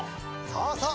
そうそう！